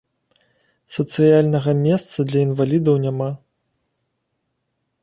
Спецыяльнага месца для інвалідаў няма.